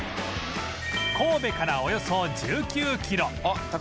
神戸からおよそ１９キロ